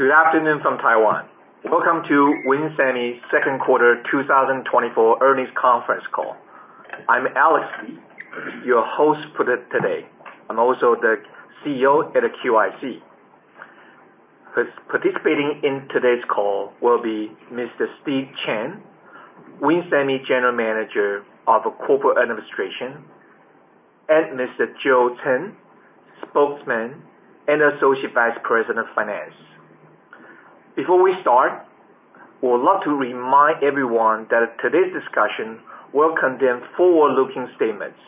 Good afternoon from Taiwan. Welcome to Win Semi second quarter 2024 earnings conference call. I'm Alex Lee, your host for the today. I'm also the CEO at QIC. Participating in today's call will be Mr. Steve Chen, Win Semi General Manager of Corporate Administration, and Mr. Joe Chen, Spokesman and Associate Vice President of Finance. Before we start, I would like to remind everyone that today's discussion will contain forward-looking statements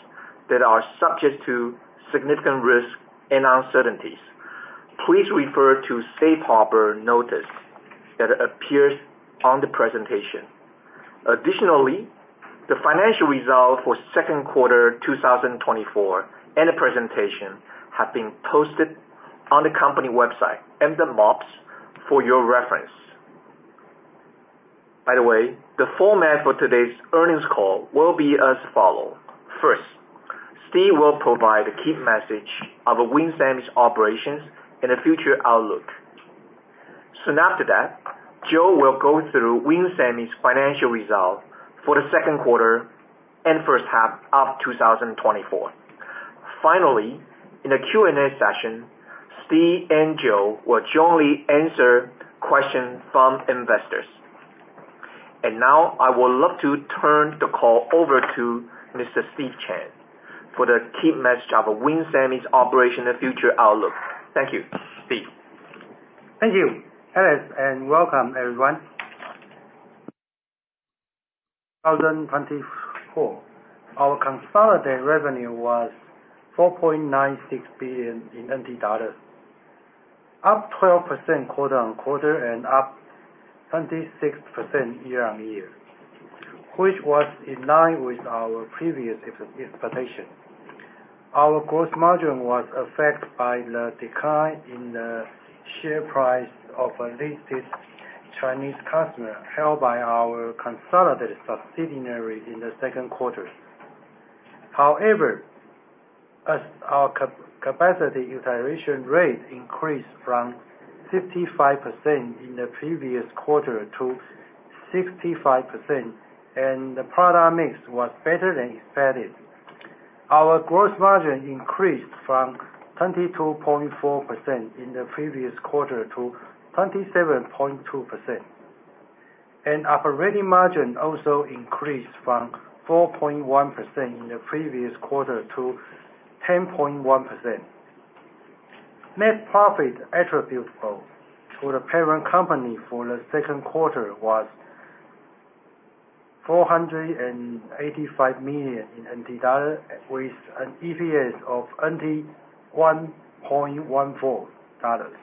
that are subject to significant risks and uncertainties. Please refer to Safe Harbor notice that appears on the presentation. Additionally, the financial results for second quarter 2024, and the presentation, have been posted on the company website and the MOPS for your reference. By the way, the format for today's earnings call will be as follow. First, Steve will provide a key message of Win Semi's operations and the future outlook. Soon after that, Joe will go through Win Semi's financial results for the second quarter and first half of 2024. Finally, in the Q&A session, Steve and Joe will jointly answer questions from investors. And now, I would love to turn the call over to Mr. Steve Chen for the key message of Win Semi's operation and future outlook. Thank you. Steve? Thank you, Alex, and welcome, everyone. 2024, our consolidated revenue was TWD 4.96 billion, up 12% quarter-on-quarter and up 26% year-on-year, which was in line with our previous expectation. Our gross margin was affected by the decline in the share price of a listed Chinese customer held by our consolidated subsidiary in the second quarter. However, as our capacity utilization rate increased from 55% in the previous quarter to 65%, and the product mix was better than expected, our gross margin increased from 22.4% in the previous quarter to 27.2%. Operating margin also increased from 4.1% in the previous quarter to 10.1%. Net profit attributable to the parent company for the second quarter was 485 million, with an EPS of 1.14 dollars.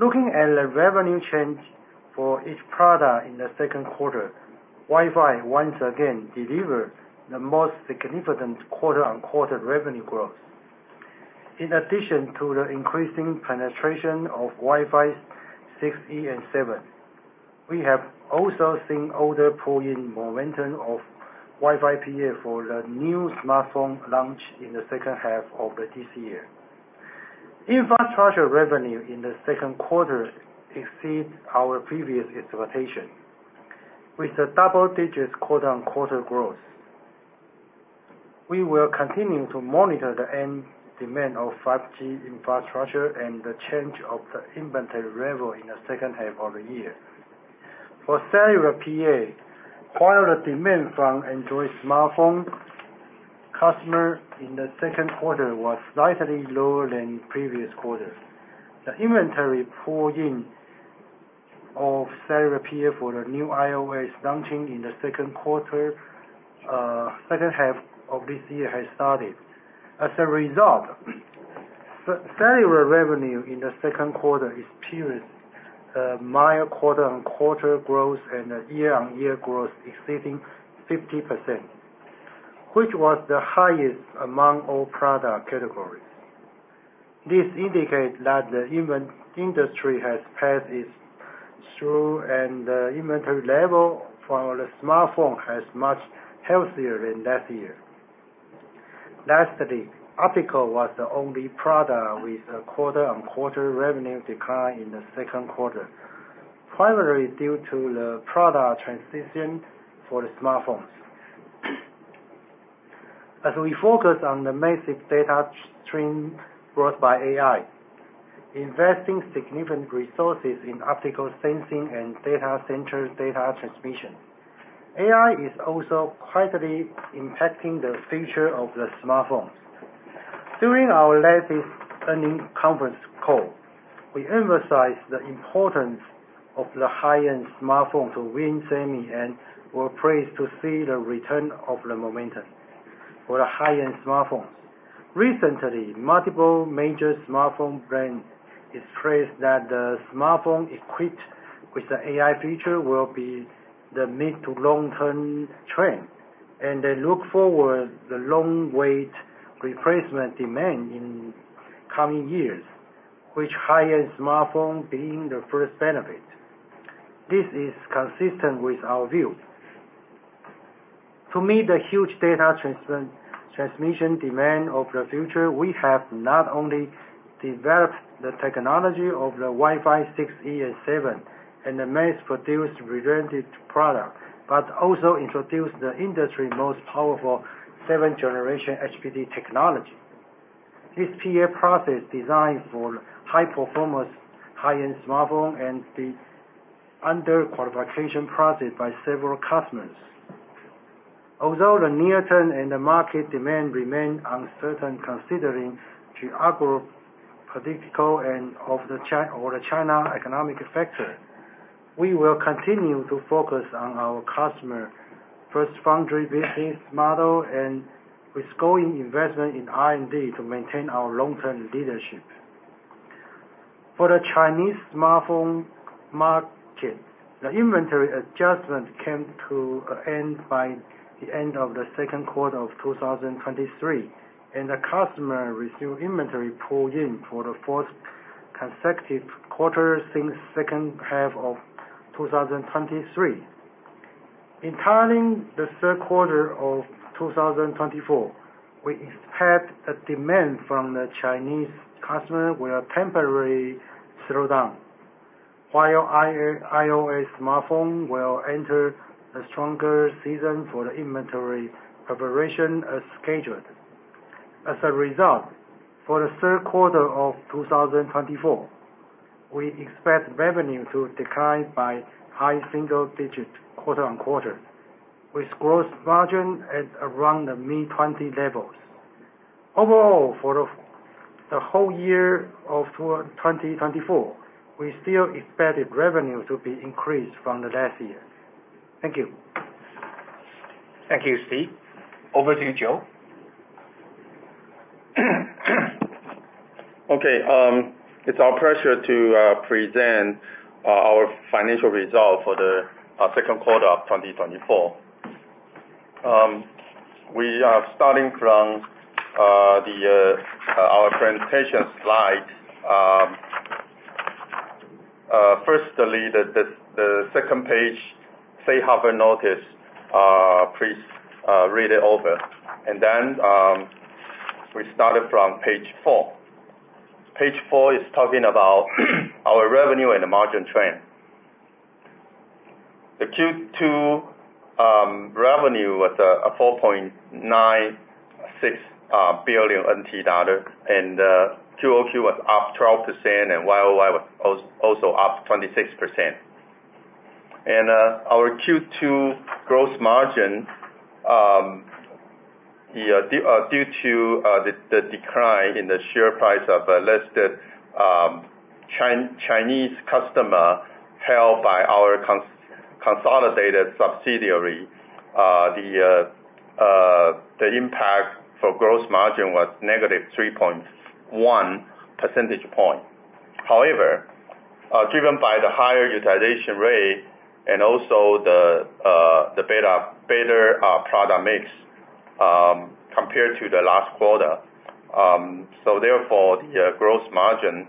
Looking at the revenue change for each product in the second quarter, Wi-Fi once again delivered the most significant quarter-on-quarter revenue growth. In addition to the increasing penetration of Wi-Fi 6E and 7, we have also seen order pull-in momentum of Wi-Fi PA for the new smartphone launch in the second half of this year. Infrastructure revenue in the second quarter exceeds our previous expectation, with a double-digit quarter-on-quarter growth. We will continue to monitor the end demand of 5G infrastructure and the change of the inventory level in the second half of the year. For cellular PA, while the demand from Android smartphone customer in the second quarter was slightly lower than previous quarters, the inventory pull-in of cellular PA for the new iOS launching in the second quarter, second half of this year has started. As a result, cellular revenue in the second quarter experienced a mild quarter-on-quarter growth and a year-on-year growth exceeding 50%, which was the highest among all product categories. This indicates that the industry has passed its trough, and the inventory level for the smartphone has much healthier than last year. Lastly, optical was the only product with a quarter-on-quarter revenue decline in the second quarter, primarily due to the product transition for the smartphones. As we focus on the massive data stream growth by AI, investing significant resources in optical sensing and data center data transmission. AI is also quietly impacting the future of the smartphones. During our latest earnings conference call, we emphasized the importance of the high-end smartphone to Win Semi, and we're pleased to see the return of the momentum for the high-end smartphones. Recently, multiple major smartphone brands expressed that the smartphone equipped with the AI feature will be the mid-to long-term trend, and they look forward to the long-awaited replacement demand in coming years, with high-end smartphones being the first to benefit. This is consistent with our view. To meet the huge data transmission demand of the future, we have not only developed the technology of the Wi-Fi 6, 6E, and 7, and mass-produced related products, but also introduced the industry's most powerful seventh generation HBT technology. This PA process, designed for high-performance, high-end smartphones, is under the qualification process by several customers. Although the near-term and the market demand remain uncertain considering geopolitical and the China economic factor, we will continue to focus on our customer first foundry business model, and with growing investment in R&D to maintain our long-term leadership. For the Chinese smartphone market, the inventory adjustment came to an end by the end of the second quarter of 2023, and the customer resumed inventory pull-in for the fourth consecutive quarter since second half of 2023. Entering the third quarter of 2024, we expect a demand from the Chinese customer will temporarily slow down, while iOS smartphone will enter a stronger season for the inventory preparation as scheduled. As a result, for the third quarter of 2024, we expect revenue to decline by high single digit, quarter-on-quarter, with gross margin at around the mid-twenty levels. Overall, for the whole year of 2024, we still expected revenue to be increased from the last year. Thank you. Thank you, Steve. Over to you, Joe. Okay, it's our pleasure to present our financial results for the second quarter of 2024. We are starting from our presentation slide. Firstly, the second page, safe harbor notice. Please read it over. And then, we started from page four. Page four is talking about our revenue and the margin trend. The Q2 revenue was 4.96 billion NT dollars, and QOQ was up 12% and YOY was also up 26%. And our Q2 gross margin, due to the decline in the share price of a listed Chinese customer held by our consolidated subsidiary, the impact for gross margin was negative 3.1 percentage points. However, driven by the higher utilization rate and also the better product mix, compared to the last quarter. So therefore, the gross margin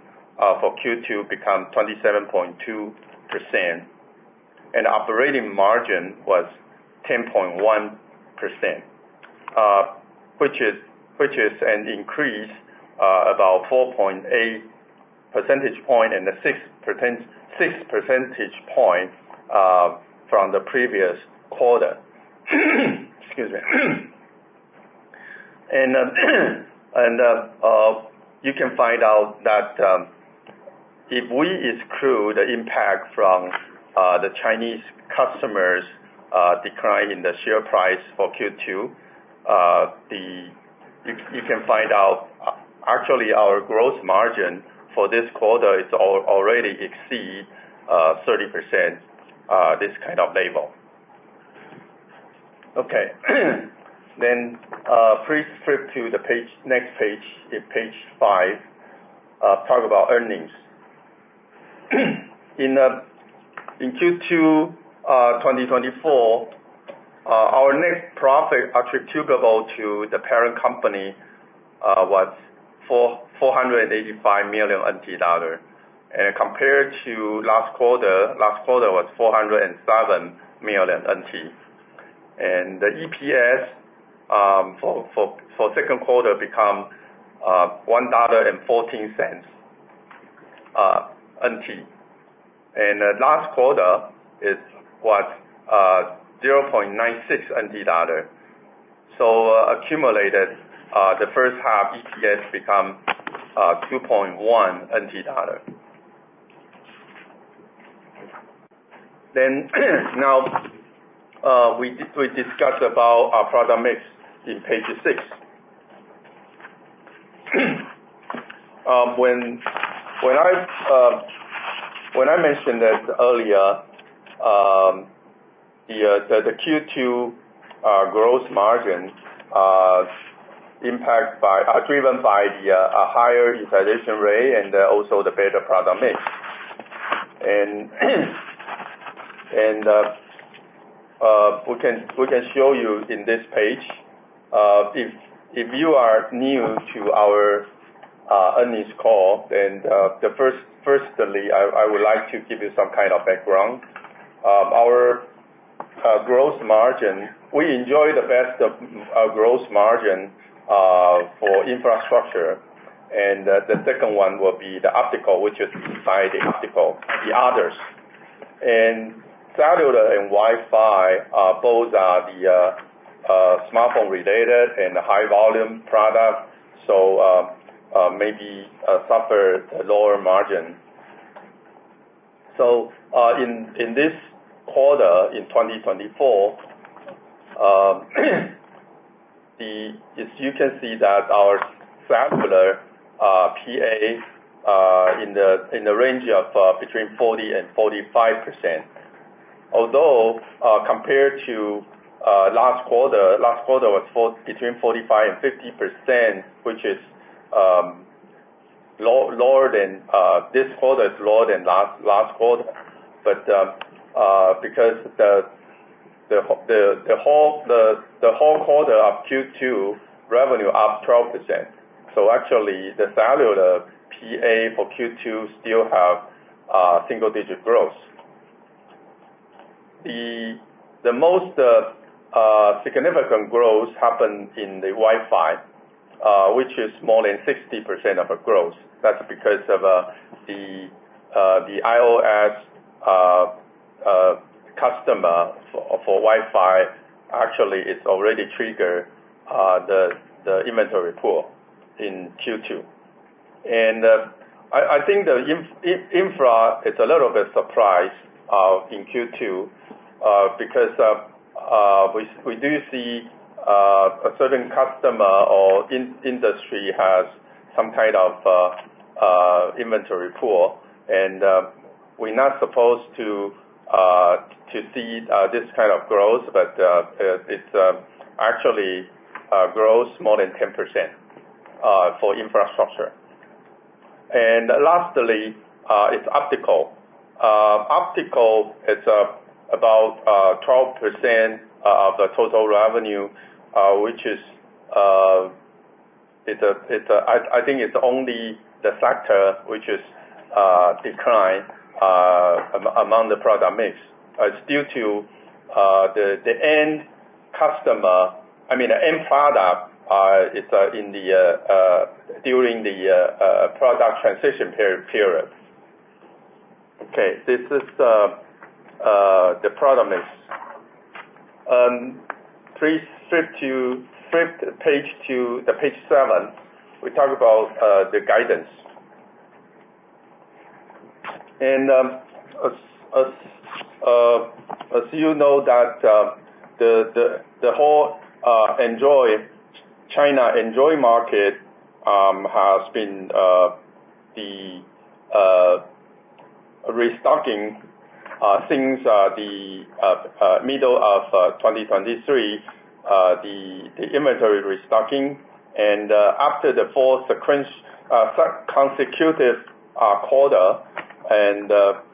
for Q2 become 27.2%, and operating margin was 10.1%, which is an increase about 4.8 percentage point and a 6 percentage point from the previous quarter. Excuse me. And you can find out that, if we exclude the impact from the Chinese customers decline in the share price for Q2, actually, our gross margin for this quarter is already exceed 30%, this kind of level. Okay. Then, please flip to the next page, page five, talk about earnings. In Q2 2024 our net profit attributable to the parent company was 485 million NT dollar. And compared to last quarter, last quarter was 407 million NT. And the EPS for second quarter become 1.14 dollar. And the last quarter was 0.96 NT dollar. So accumulated the first half EPS become 2.1 NT dollar. Then now we discuss about our product mix in page 6. When I mentioned that earlier, the Q2 gross margin impact by driven by the higher utilization rate and also the better product mix. We can show you in this page if you are new to our earnings call, then firstly I would like to give you some kind of background. Our gross margin, we enjoy the best gross margin for infrastructure, and the second one will be the optical, which is by the optical, the others. Cellular and Wi-Fi both are the smartphone-related and high volume product, so maybe suffer a lower margin. So in this quarter, in 2024, as you can see that our cellular PA in the range of between 40% and 45%. Although, compared to last quarter, last quarter was between 45%-50%, which is lower than this quarter is lower than last quarter. But because the whole quarter of Q2 revenue up 12%. So actually, the cellular PA for Q2 still have single digit growth. The most significant growth happened in the Wi-Fi, which is more than 60% of the growth. That's because of the iOS customer for Wi-Fi actually is already trigger the inventory pull-in in Q2. I think the infrastructure is a little bit surprised in Q2 because we do see a certain customer or industry has some kind of inventory pull-in and we're not supposed to see this kind of growth but it's actually grows more than 10% for infrastructure. And lastly it's optical. Optical it's about 12% of the total revenue which is it's a I think it's only the factor which is decline among the product mix. It's due to the end customer, I mean, the end product it's in the during the product transition period. Okay. This is the product mix. Please flip to page 7. We talk about the guidance. As you know, the whole Android China Android market has been restocking since the middle of 2023, the inventory restocking. After the fourth consecutive quarter,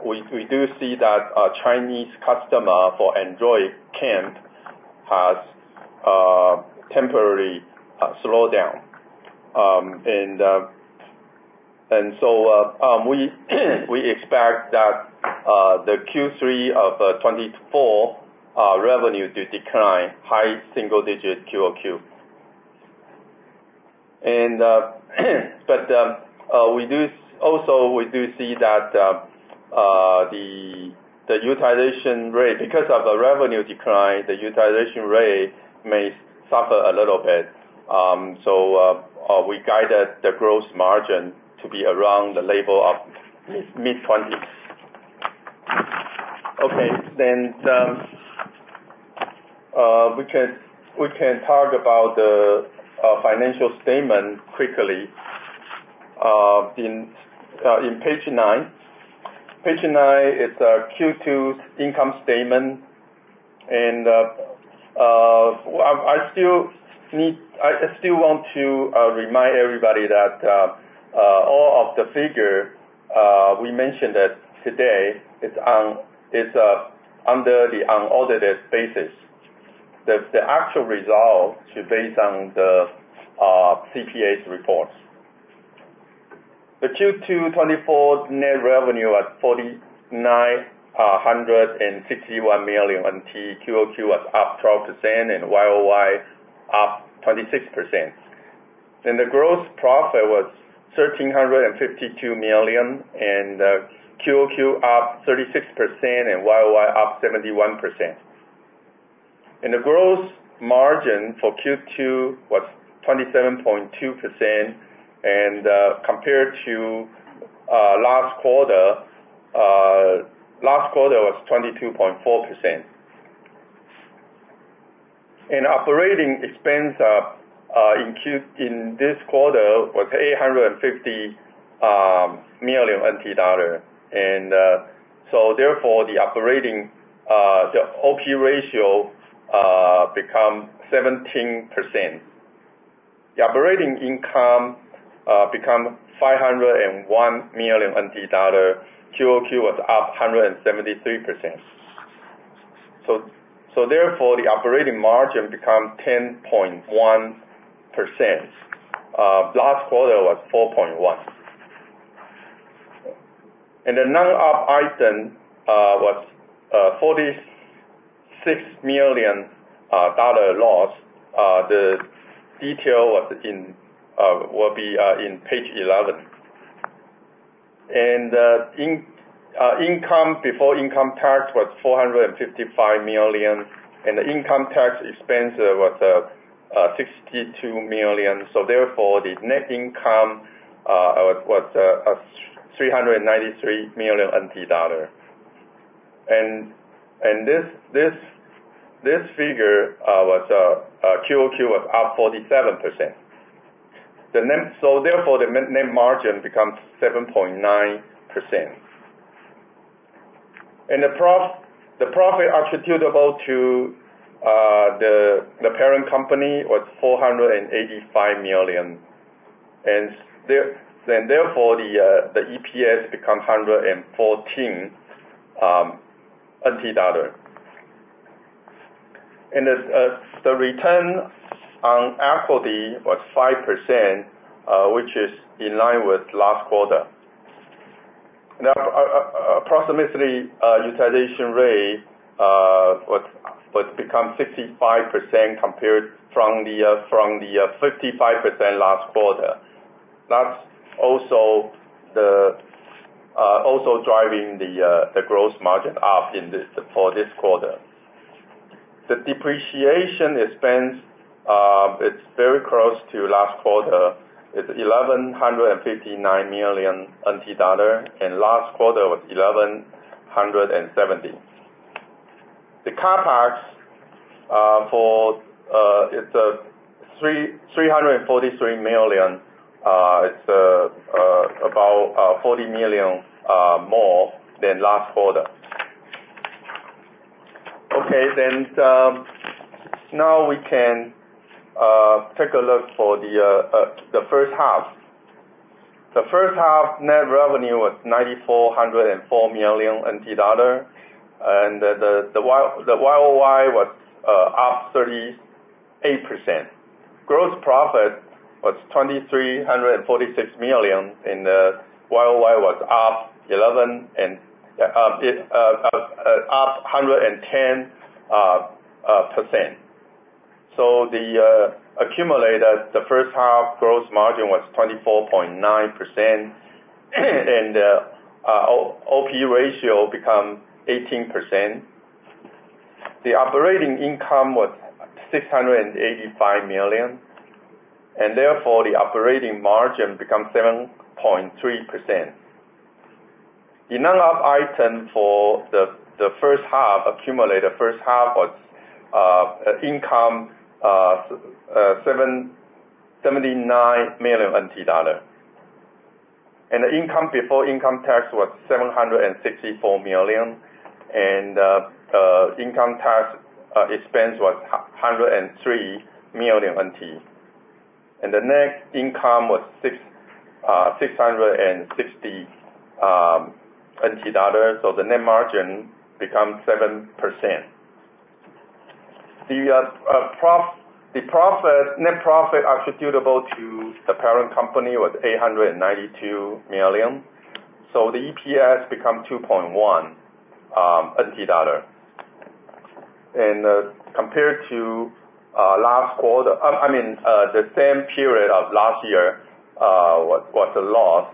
we do see that our Chinese customer for Android camp has temporarily slowed down. So, we expect that the Q3 of 2024 revenue to decline high single digit QOQ. But we do also see that the utilization rate, because of the revenue decline, the utilization rate may suffer a little bit. So, we guided the gross margin to be around the level of mid-20s. Okay, then, we can talk about the financial statement quickly, in page nine. Page nine is Q2's income statement. And, well, I still want to remind everybody that all of the figures we mentioned today is under the unaudited basis. The actual results should based on the CPA's reports. The Q2 2024 net revenue at 4,961 million, and QOQ was up 12% and YOY up 26%. And the gross profit was 1,352 million, and QOQ up 36% and YOY up 71%. The gross margin for Q2 was 27.2%, and compared to last quarter, last quarter was 22.4%. Operating expense in this quarter was 850 million NT dollar. So therefore, the operating, the OP ratio become 17%. The operating income become 501 million NT dollar. QOQ was up 173%. So therefore, the operating margin become 10.1%. Last quarter was 4.1%. And another item was 46 million dollar loss. The detail will be in page 11. And income before income tax was 455 million, and the income tax expense was 62 million. So therefore, the net income was 393 million NT dollar. And this figure was QOQ up 47%. So therefore, the net margin becomes 7.9%. And the profit attributable to the parent company was 485 million. And therefore, the EPS become 114 TWD. And the return on equity was 5%, which is in line with last quarter. Now, approximately, utilization rate was become 65% compared from the 55% last quarter. That's also driving the gross margin up in this quarter. The depreciation expense, it's very close to last quarter. It's 1,159 million NT dollar, and last quarter was 1,170 million. The CapEx for it is 343 million. It's about 40 million more than last quarter. Okay, then now we can take a look at the first half. The first half net revenue was 9,404 million NT dollar, and the year-over-year was up 38%. Gross profit was 2,346 million, and year-over-year was up 110%. So the accumulator, the first half gross margin was 24.9%, and OP ratio become 18%. The operating income was 685 million TWD, and therefore the operating margin become 7.3%. The non-GAAP item for the first half, accumulated first half was income 779 million NT dollar. The income before income tax was 764 million TWD, and income tax expense was 103 million NT. The net income was 660 million NT dollars, so the net margin become 7%. The net profit attributable to the parent company was 892 million TWD, so the EPS become 2.1 NT dollar. Compared to last quarter, I mean, the same period of last year was a loss.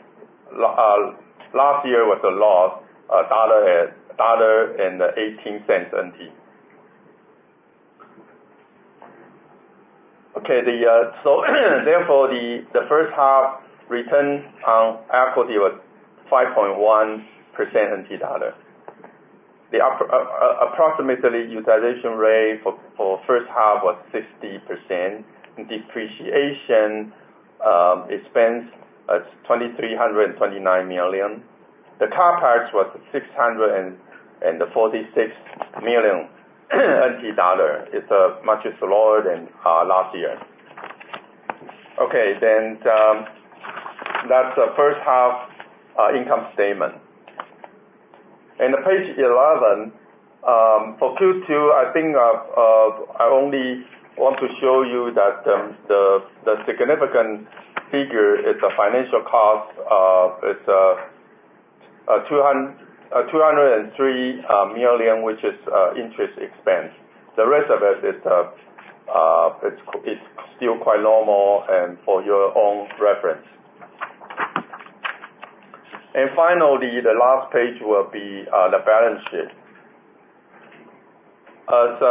Last year was a loss, 1.18 dollar. Okay, so therefore, the first half return on equity was 5.1% NT dollar. The approximately utilization rate for first half was 60%, and depreciation expense is 2,329 million. The CapEx was 646 million. It's much lower than last year. Okay, then, that's the first half income statement. And page 11 for Q2, I think, I only want to show you that the significant figure is the financial cost. It's 203 million, which is interest expense. The rest of it is, it's still quite normal and for your own reference. Finally, the last page will be the balance sheet. As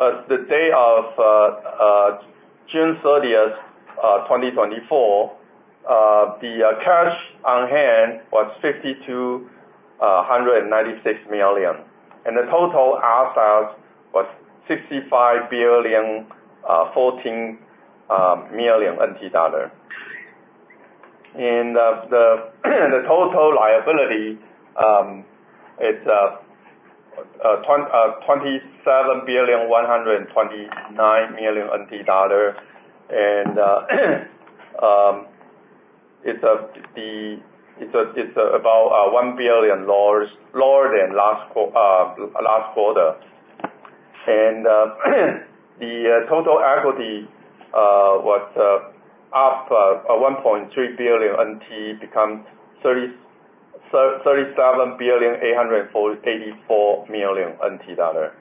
of June 30, 2024, the cash on hand was 5,296 million, and the total assets was 65.014 billion. And, the total liability is TWD 27.129 billion. And,... it's about $1 billion lower than last quarter. The total equity was up 1.3 billion NT, become 37.884 billion TWD.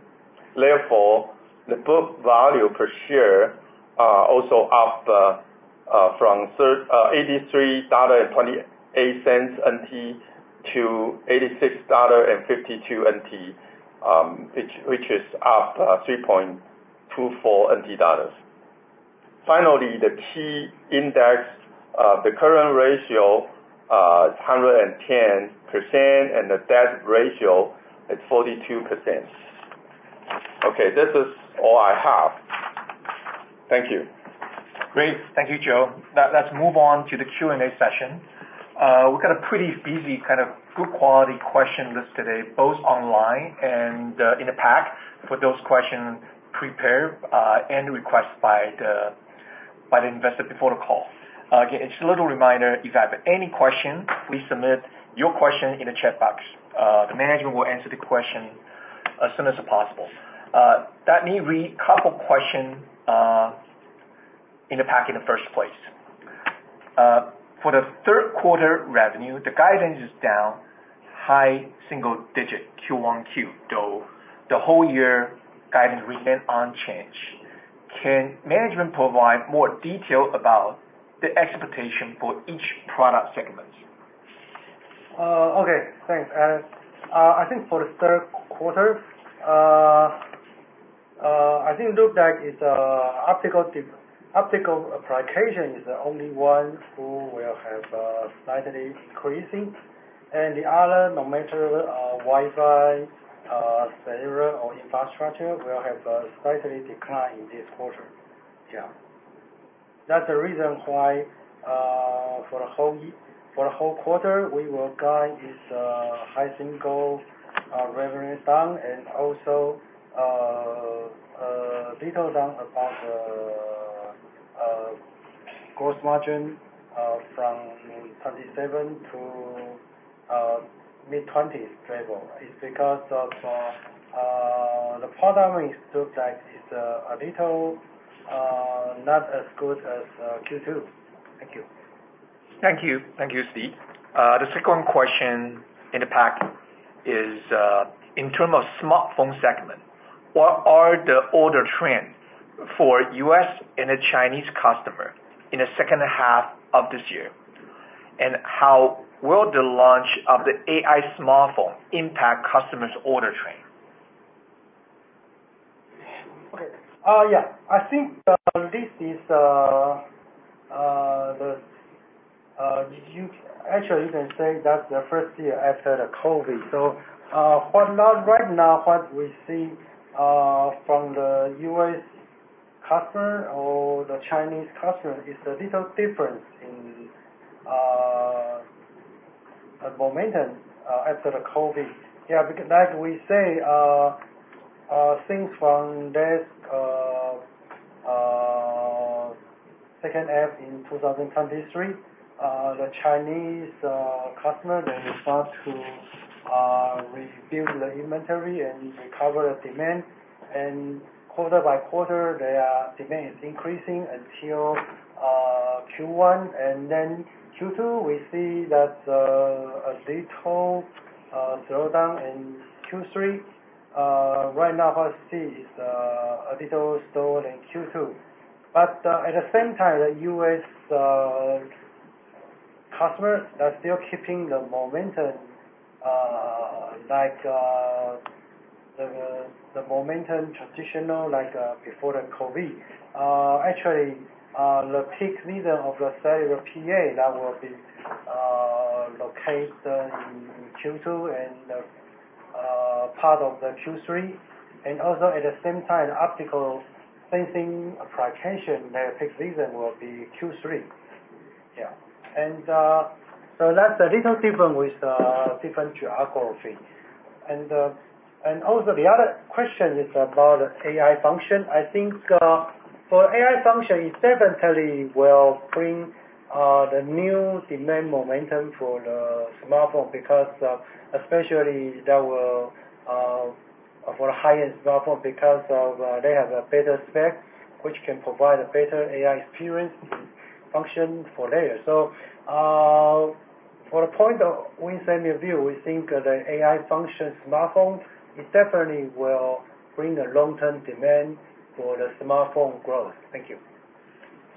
Therefore, the book value per share also up from 83.28 NT dollars to 86.52 NT dollars, which is up 3.24 NT dollars. Finally, the key index, the current ratio is 110%, and the debt ratio is 42%. Okay, this is all I have. Thank you. Great. Thank you, Joe. Now, let's move on to the Q&A session. We got a pretty busy, kind of, good quality question list today, both online and in the pack, for those question prepared and requested by the investor before the call. Again, just a little reminder, if you have any question, please submit your question in the chat box. The management will answer the question as soon as possible. Let me read couple question in the pack in the first place. For the third quarter revenue, the guidance is down high single digit QoQ, though the whole year guidance remained unchanged. Can management provide more detail about the expectation for each product segment? Okay, thanks. I think for the third quarter, I think look back it's optical application is the only one who will have slightly increasing. And the other, no matter Wi-Fi, server or infrastructure, will have a slightly decline in this quarter. Yeah. That's the reason why, for the whole quarter, we will guide is high single revenue down, and also little down about the gross margin from 27% to mid-20s% level. It's because of the product mix looks like it's a little not as good as Q2. Thank you. Thank you. Thank you, Steve. The second question in the pack is, in terms of smartphone segment, what are the order trend for U.S. and the Chinese customer in the second half of this year? And how will the launch of the AI smartphone impact customers' order trend? Okay. Yeah, I think this is the first year after the COVID. Actually, you can say that's the first year after the COVID. So, but not right now, what we see from the U.S. customer or the Chinese customer is a little difference in the momentum after the COVID. Yeah, like we say, things from this second half in 2023, the Chinese customer they start to rebuild the inventory and recover the demand. And quarter by quarter, their demand is increasing until Q1. And then Q2, we see that a little slowdown in Q3. Right now what I see is a little slower than Q2. But, at the same time, the U.S. customers are still keeping the momentum, like, the traditional momentum, like, before the COVID. Actually, the peak season of the cellular PA, that will be located in Q2 and part of the Q3. And also, at the same time, optical sensing application, their peak season will be Q3. Yeah. And, so that's a little different with different geography. And also the other question is about AI function. I think, for AI function, it definitely will bring the new demand momentum for the smartphone. Because, especially there were for high-end smartphone, because of, they have a better spec, which can provide a better AI experience function for layer. From Win's point of view, we think the AI function smartphone, it definitely will bring a long-term demand for the smartphone growth. Thank you.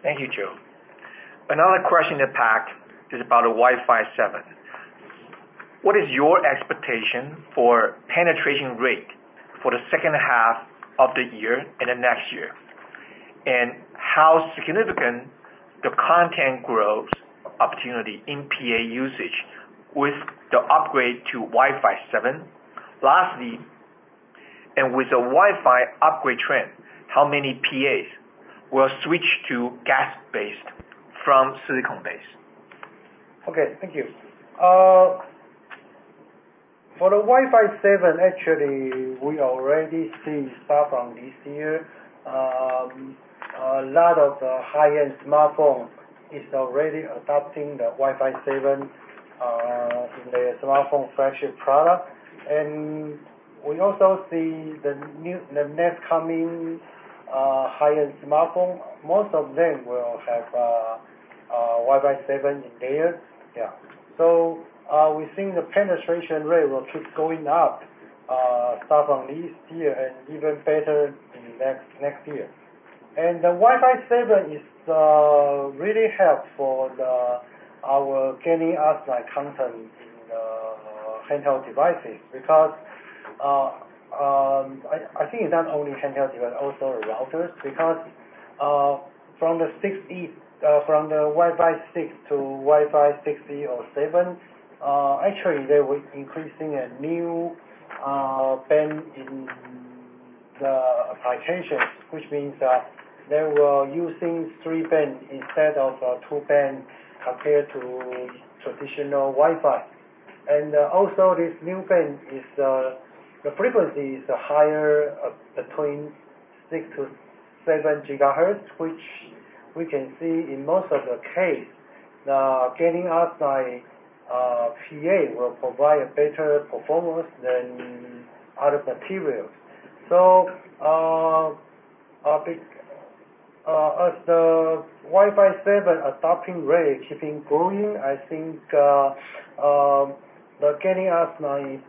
Thank you, Joe. Another question in the pack is about the Wi-Fi 7. What is your expectation for penetration rate for the second half of the year and the next year? And how significant the content growth opportunity in PA usage with the upgrade to Wi-Fi 7? Lastly, and with the Wi-Fi upgrade trend, how many PAs will switch to GaN based from silicon based? Okay, thank you. For the Wi-Fi 7, actually, we already see start from this year. A lot of high-end smartphone is already adopting the Wi-Fi 7 in the smartphone flagship product. And we also see the new, the next coming high-end smartphone. Most of them will have Wi-Fi 7 in there. Yeah. So, we think the penetration rate will keep going up start from this year and even better in the next year. And the Wi-Fi 7 is really help for our gallium arsenide content in the handheld devices, because I think it's not only handheld device, also routers, because from the Wi-Fi 6 to Wi-Fi 6E or 7, actually, they were increasing a new band in the applications. Which means that they were using three-band instead of two-band, compared to traditional Wi-Fi. And, also this new band is the frequency is higher, between 6-7 gigahertz, which we can see in most of the case, the gallium arsenide PA will provide a better performance than other materials. So, I think, as the Wi-Fi 7 adopting rate keeping going, I think, the gallium arsenide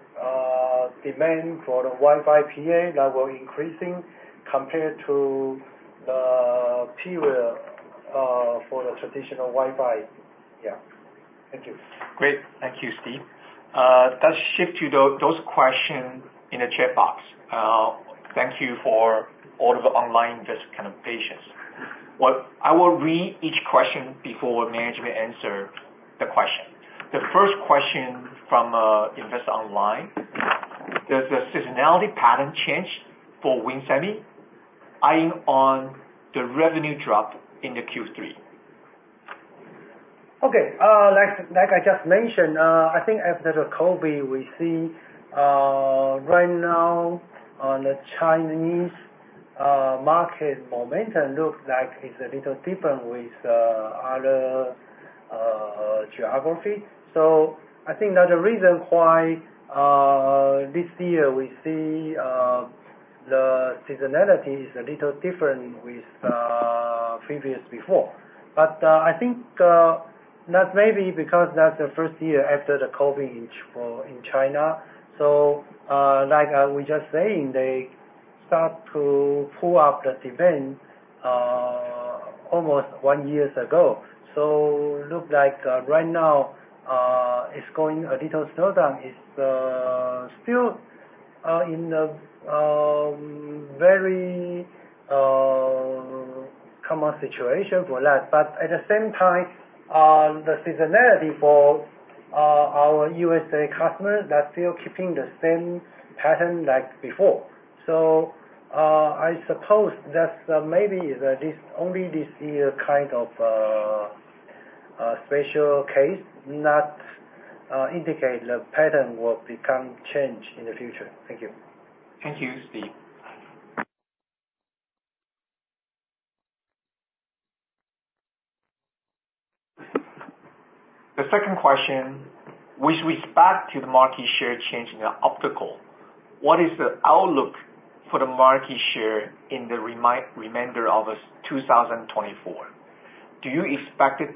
demand for the Wi-Fi PA that were increasing compared to the period for the traditional Wi-Fi. Yeah. Thank you. Great. Thank you, Steve. Let's shift to those questions in the chat box. Thank you for all of the online, just kind of patience. I will read each question before management answer the question. The first question from investor online: Does the seasonality pattern change for Win Semi, eyeing on the revenue drop in the Q3? Okay, like, like I just mentioned, I think after the COVID, we see right now on the Chinese market, momentum looks like it's a little different with other geography. So I think that's the reason why this year we see the seasonality is a little different with previous before. But I think that may be because that's the first year after the COVID in China. So, like I was just saying, they start to pull up the demand almost one years ago. So look like right now it's going a little slower, it's still in the very common situation for that. But at the same time, the seasonality for our USA customers, they're still keeping the same pattern like before. So, I suppose that maybe that this only this year kind of special case, not indicate the pattern will become changed in the future. Thank you. Thank you, Steve. The second question, with respect to the market share change in the optical, what is the outlook for the market share in the remainder of this 2024? Do you expect it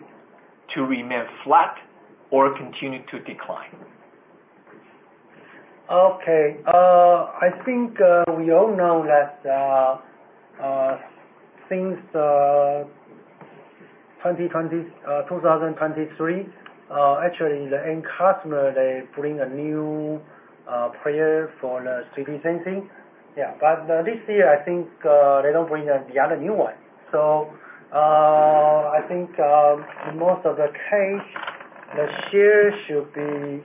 to remain flat or continue to decline? Okay. I think we all know that since 2020, 2023, actually, the end customer, they bring a new player for the 3D Sensing. Yeah, but this year, I think they don't bring the other new one. So I think in most of the case, the share should be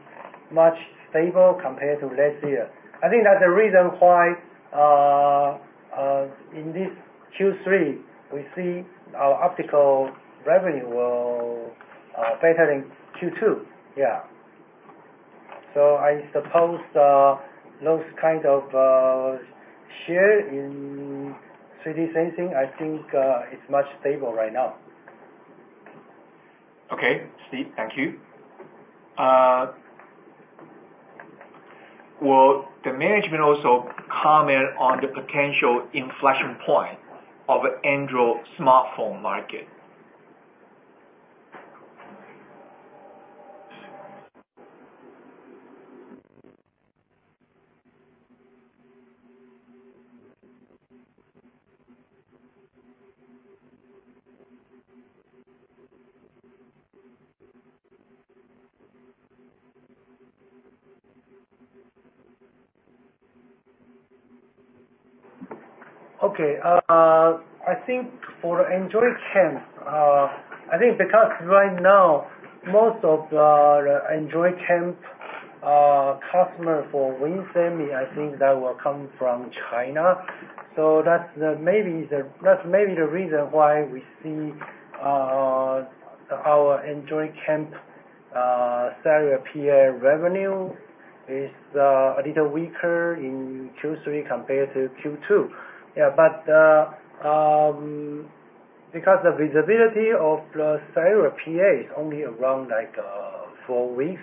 much stable compared to last year. I think that's the reason why in this Q3, we see our optical revenue will better than Q2. Yeah. So I suppose those kind of share in 3D Sensing, I think it's much stable right now. Okay, Steve, thank you. Will the management also comment on the potential inflection point of Android smartphone market? Okay, I think for Android camp, I think because right now, most of the Android camp customer for Win Semi, I think that will come from China. So that's the, maybe the, that's maybe the reason why we see our Android camp cellular PA revenue is a little weaker in Q3 compared to Q2. Yeah, but because the visibility of the cellular PA is only around, like, four weeks,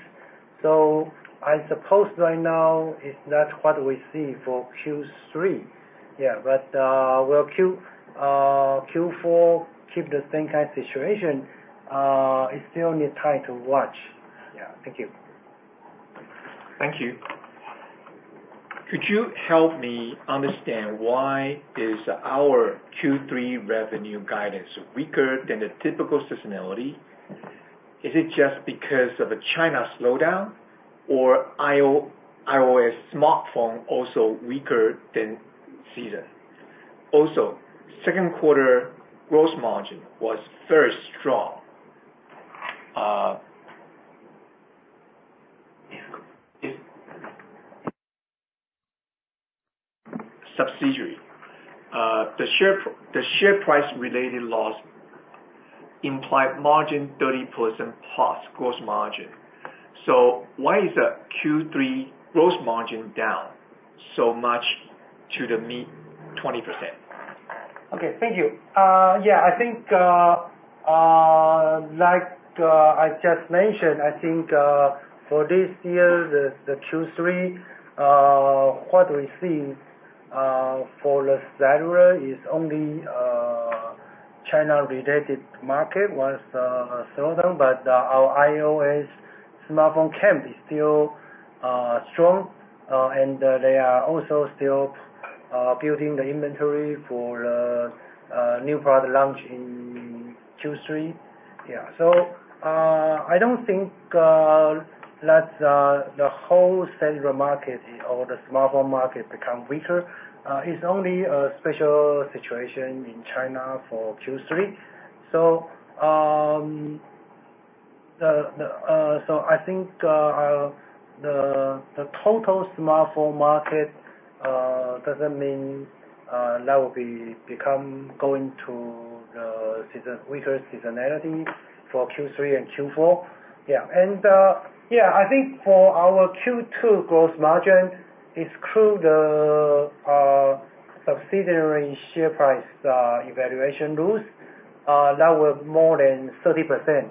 so I suppose right now it's not what we see for Q3. Yeah, but will Q, Q4 keep the same kind of situation? It still need time to watch. Yeah. Thank you. Thank you. Could you help me understand why is our Q3 revenue guidance weaker than the typical seasonality? Is it just because of the China slowdown, or iOS smartphone also weaker than season? Also, second quarter gross margin was very strong. If subsidiary, the share price-related loss implied margin 30%+ gross margin. So why is the Q3 gross margin down so much to the mid-20%? Okay, thank you. Yeah, I think, like, I just mentioned, I think for this year, the Q3, what we see for the cellular is only China-related market was slowdown, but our iOS smartphone camp is still strong. And they are also still building the inventory for the new product launch in Q3. Yeah, so I don't think that the whole cellular market or the smartphone market become weaker. It's only a special situation in China for Q3. So, so I think the total smartphone market doesn't mean that will be become going to the season weaker seasonality for Q3 and Q4. Yeah. I think for our Q2 gross margin, exclude the subsidiary share price valuation loss that was more than 30%.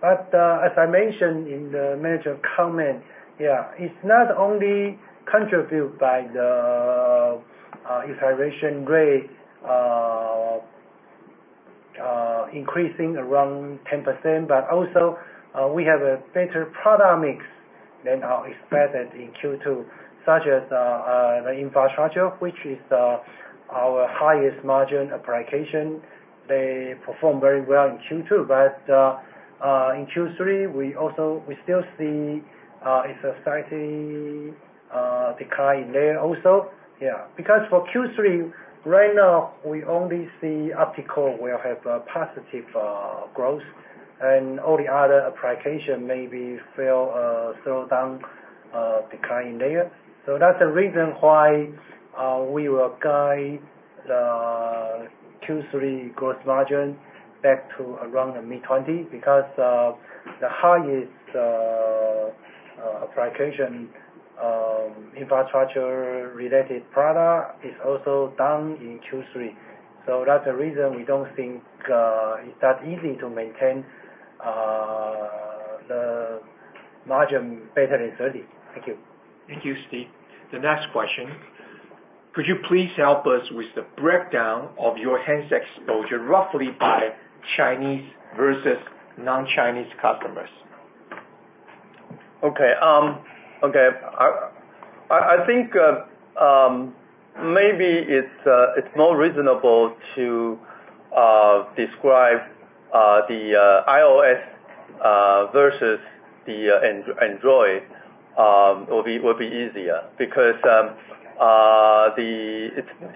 But, as I mentioned in the manager comment, it's not only contributed by the utilization rate increasing around 10%, but also we have a better product mix than our expected in Q2, such as the infrastructure, which is our highest margin application. They performed very well in Q2, but in Q3, we still see a slight decline there also. Because for Q3, right now, we only see optical will have a positive growth, and all the other application maybe fail slow down decline there. So that's the reason why we will guide the Q3 gross margin back to around the mid-20%, because the highest application infrastructure-related product is also down in Q3. So that's the reason we don't think it's that easy to maintain the margin better than 30%. Thank you. Thank you, Steve. The next question: Could you please help us with the breakdown of your GaAs exposure roughly by Chinese versus non-Chinese customers? Okay. Okay. I think maybe it's more reasonable to describe the iOS versus the Android will be easier. Because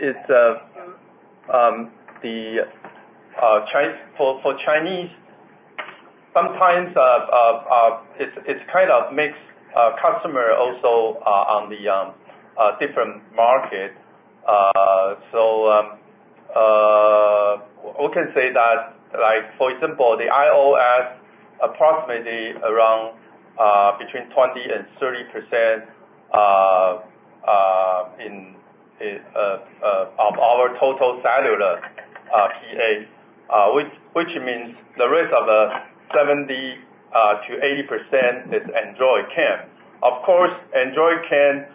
it's the Chinese. For Chinese, sometimes it's kind of mixed customer also on the different market. So we can say that, like, for example, the iOS approximately around between 20% and 30% of our total cellular PA. Which means the rest of the 70%-80% is Android camp. Of course, Android camp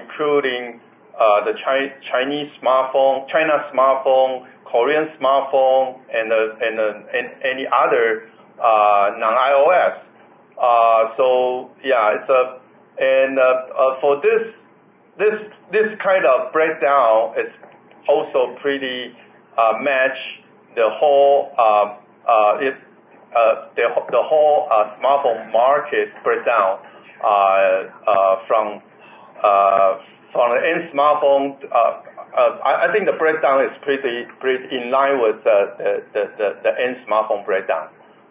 including the Chinese smartphone, China smartphone, Korean smartphone, and any other non-iOS. So, yeah, it's... For this kind of breakdown, it's also pretty match the whole smartphone market breakdown from any smartphone. I think the breakdown is pretty in line with the end smartphone breakdown.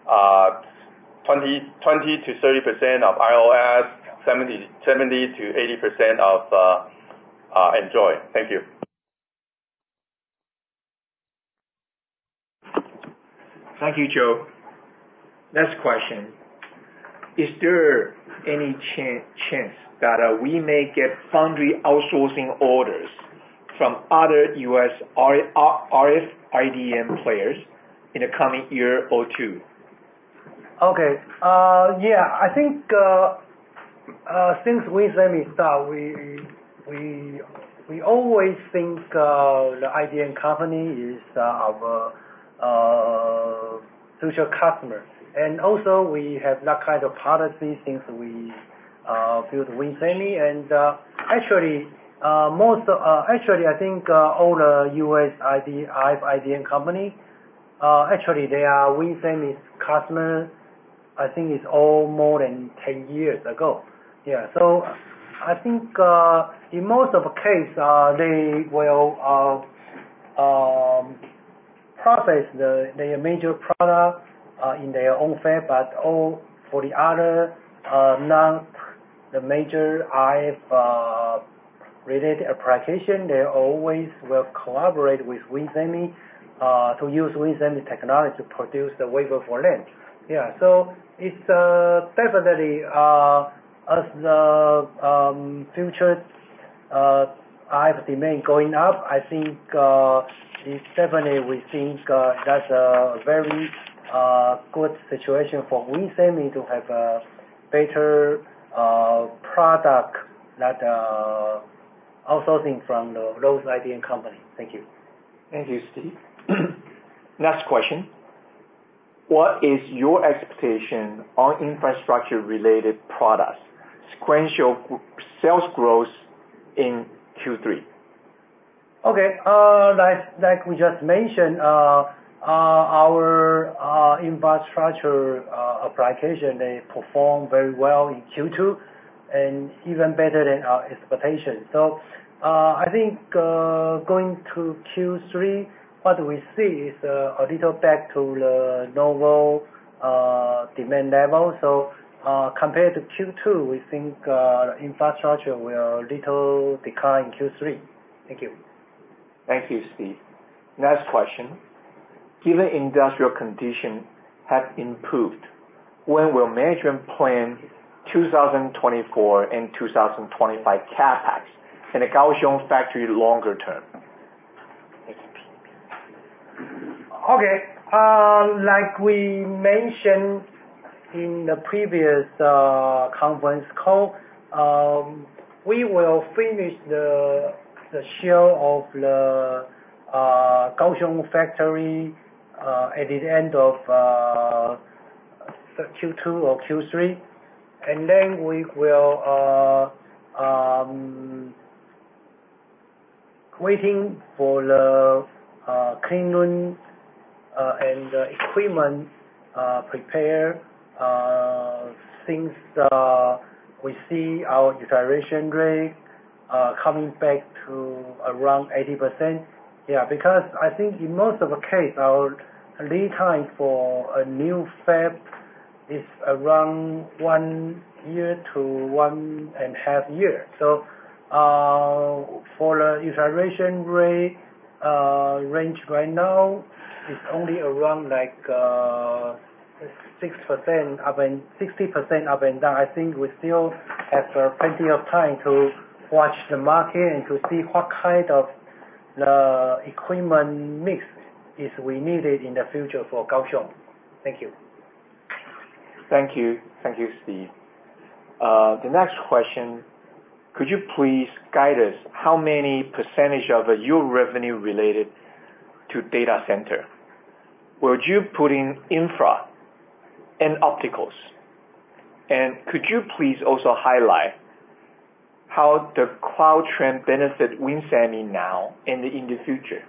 20%-30% of iOS, 70%-80% of Android. Thank you.... Thank you, Joe. Next question, is there any chance that we may get foundry outsourcing orders from other US RF IDM players in the coming year or two? Okay. Yeah, I think since Win Semi start, we always think the IDM company is our future customers. And also, we have that kind of policy since we built Win Semi. And actually, most actually, I think all the US RF IDM company actually they are Win Semi's customer. I think it's all more than 10 years ago. Yeah. So I think in most of the case they will process their major product in their own fab, but all for the other non the major IF related application, they always will collaborate with Win Semi to use Win Semi technology to produce the wafer for them. Yeah, so it's definitely, as the future RF domain going up, I think it's definitely we think that's a very good situation for Win Semi to have a better product that outsourcing from those IDM company. Thank you. Thank you, Steve. Next question: What is your expectation on infrastructure-related products, sequential sales growth in Q3? Okay. Like, like we just mentioned, our infrastructure application, they performed very well in Q2 and even better than our expectations. So, I think, going to Q3, what we see is, a little back to the normal demand level. So, compared to Q2, we think, the infrastructure will little decline in Q3. Thank you. Thank you, Steve. Next question: Given industrial conditions have improved, when will management plan 2024 and 2025 CapEx in the Kaohsiung factory longer term? Okay, like we mentioned in the previous conference call, we will finish the shell of the Kaohsiung factory at the end of Q2 or Q3. And then we will waiting for the clean room and the equipment prepare, since we see our utilization rate coming back to around 80%. Yeah, because I think in most of the case, our lead time for a new fab is around 1 year to 1.5 years. So, for the utilization rate range right now, is only around like 60% up and down. I think we still have plenty of time to watch the market and to see what kind of the equipment mix is we needed in the future for Kaohsiung. Thank you. Thank you. Thank you, Steve. The next question: Could you please guide us how many percentage of your revenue related to data center? Would you put in infra and opticals? And could you please also highlight how the cloud trend benefit Win Semi now and in the future?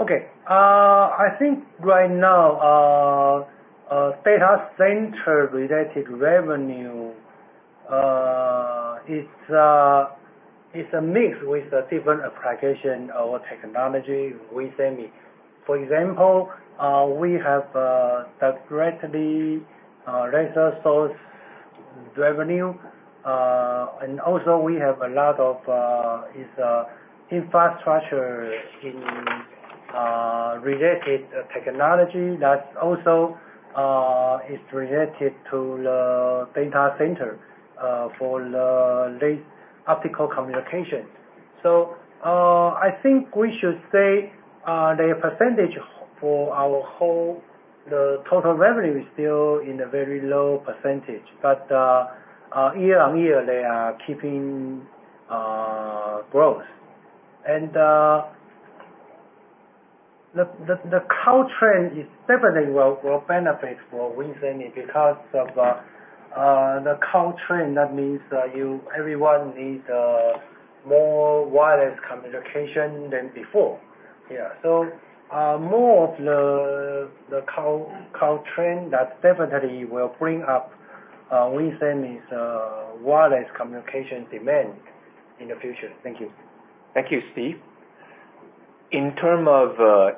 Okay. I think right now, data center-related revenue is a mix with the different application or technology, Win Semi. For example, we have the GaAs laser source revenue, and also we have a lot of infrastructure and related technology that also is related to the data center for the latest optical communications. So, I think we should say the percentage for our overall the total revenue is still in a very low percentage. But year on year, they are growing. And the cloud trend will definitely benefit for Win Semi because of the cloud trend, that means everyone needs more wireless communication than before. Yeah. So, more of the cloud trend that definitely will bring up Win Semi's wireless communication demand in the future. Thank you. Thank you, Steve. In terms of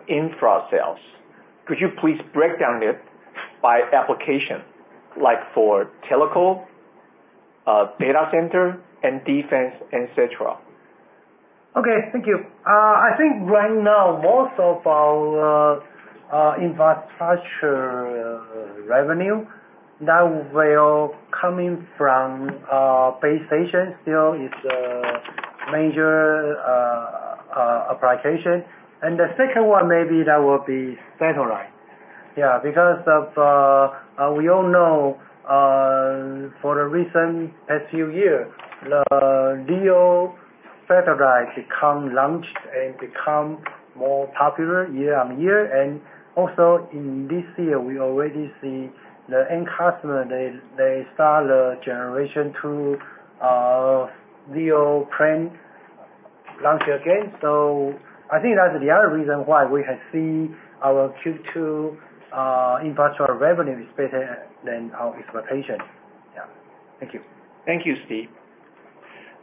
infra sales, could you please break it down by application, like for telco, data center, and defense, et cetera?... Okay, thank you. I think right now, most of our infrastructure revenue, that will coming from base station. Still, it's a major application. And the second one maybe that will be satellite. Yeah, because of we all know, for the recent past few years, the LEO satellite become launched and become more popular year on year. And also, in this year, we already see the end customer, they, they start the generation two LEO plan launch again. So I think that's the other reason why we have seen our Q2 infrastructure revenue is better than our expectation. Yeah. Thank you. Thank you, Steve.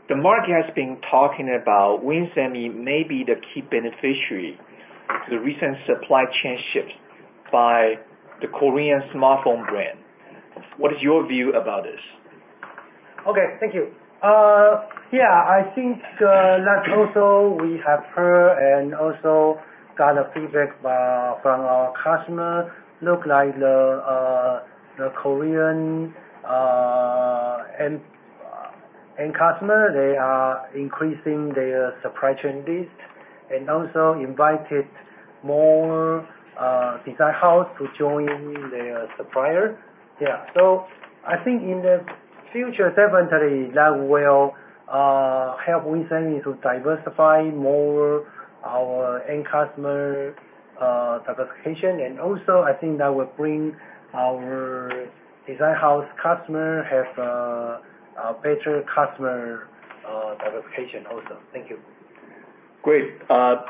The market has been talking about Win Semi may be the key beneficiary to the recent supply chain shifts by the Korean smartphone brand. What is your view about this? Okay, thank you. Yeah, I think that also we have heard and also got a feedback from our customer. Looks like the Korean end customer, they are increasing their supply chain base, and also invited more design house to join their supplier. Yeah. So I think in the future, definitely, that will help Win Semi to diversify more our end customer diversification. And also, I think that will bring our design house customer have a better customer diversification also. Thank you. Great.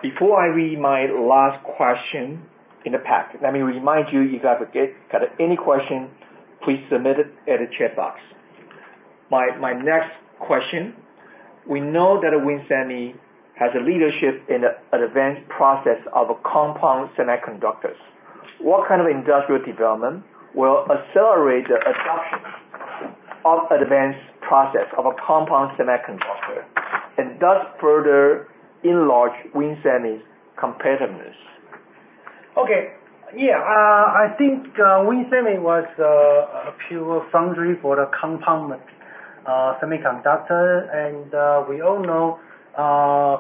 Before I read my last question in the pack, let me remind you, if you have got any question, please submit it at the chat box. My, my next question, we know that Win Semi has a leadership in the, an advanced process of a compound semiconductors. What kind of industrial development will accelerate the adoption of advanced process of a compound semiconductor, and thus further enlarge Win Semi's competitiveness? Okay. Yeah, I think, Win Semi was a pure foundry for the compound semiconductor. And, we all know,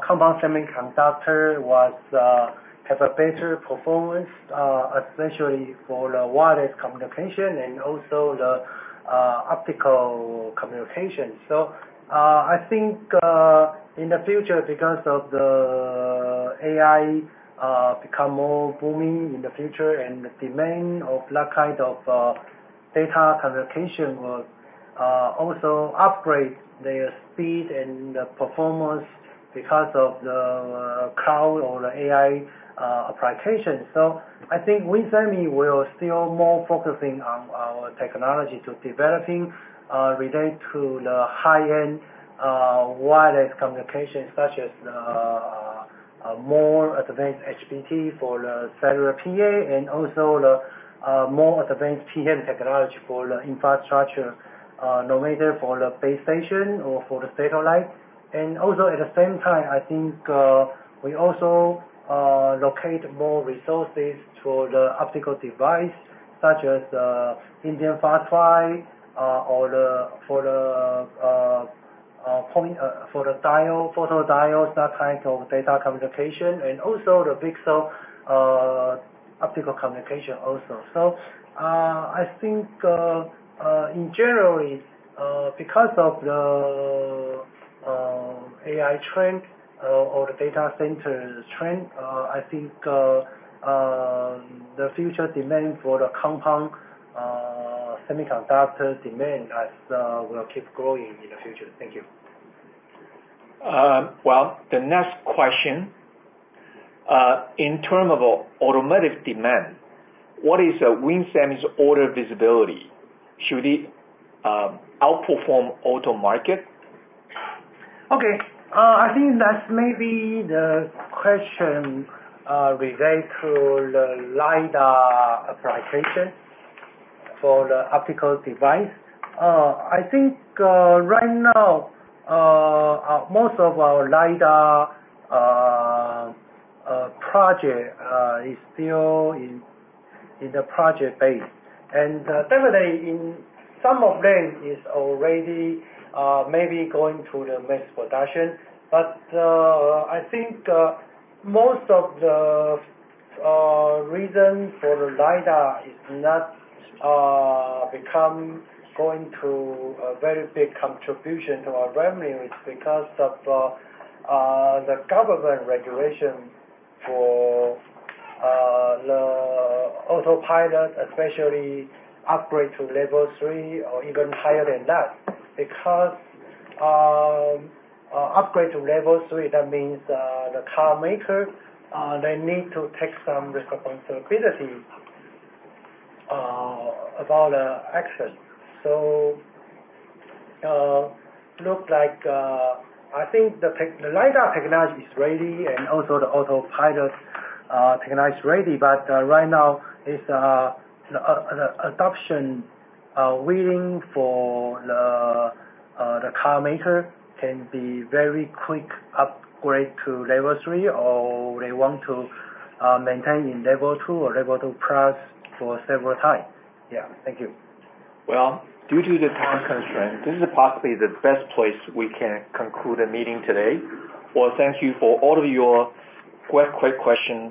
compound semiconductor was have a better performance, especially for the wireless communication and also the optical communication. So, I think, in the future, because of the AI become more booming in the future, and the demand of that kind of data communication will also upgrade their speed and the performance because of the cloud or the AI application. So I think Win Semi will still more focusing on our technology to developing relate to the high-end wireless communication, such as a more advanced HBT for the cellular PA, and also the more advanced PA technology for the infrastructure, no matter for the base station or for the satellite. At the same time, I think we also allocate more resources to the optical device, such as the indium phosphide, or the for the PIN diodes, photodiodes, that kind of data communication, and also the pixel optical communication also. So, I think in general, because of the AI trend, or the data center trend, I think the future demand for the compound semiconductor demand as will keep growing in the future. Thank you. Well, the next question. In terms of automotive demand, what is Win Semi's order visibility? Should it outperform auto market? Okay. I think that's maybe the question relate to the LIDAR application for the optical device. I think right now most of our LIDAR project is still in the project phase. And definitely in some of them is already maybe going to the mass production. But I think most of the reason for the LIDAR is not going to a very big contribution to our revenue, is because of the government regulation for the autopilot, especially upgrade to Level 3 or even higher than that. Because upgrade to Level 3, that means the car maker they need to take some risk responsibility about the accident. So, look like, I think the LIDAR technology is ready, and also the autopilot technology is ready. But right now, it's the adoption willing for the car maker can be very quick upgrade to Level 3, or they want to maintain in Level 2 or Level 2+ for several time. Yeah. Thank you. Well, due to the time constraint, this is possibly the best place we can conclude the meeting today. Well, thank you for all of your great questions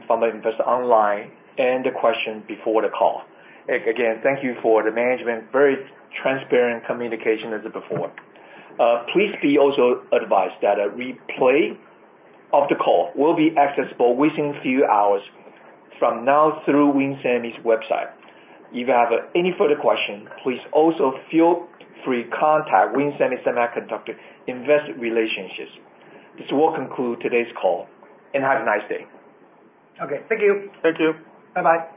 from the investor online and the question before the call. Again, thank you for the management, very transparent communication as before. Please be also advised that a replay of the call will be accessible within few hours from now through WIN Semi's website. If you have any further question, please also feel free to contact WIN Semiconductors Investor Relationships. This will conclude today's call, and have a nice day. Okay, thank you. Thank you. Bye-bye.